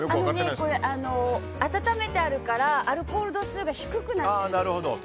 温めてあるからアルコール度数が低くなってるんですよね。